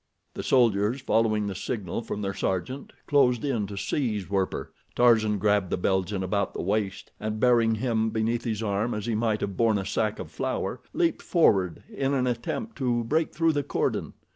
The soldiers, following the signal from their sergeant, closed in to seize Werper. Tarzan grabbed the Belgian about the waist, and bearing him beneath his arm as he might have borne a sack of flour, leaped forward in an attempt to break through the cordon.